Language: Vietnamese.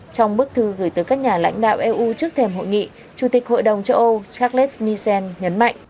trong bức thư gửi tới các nhà lãnh đạo eu trước thềm hội nghị chủ tịch hội đồng châu âu charles misen nhấn mạnh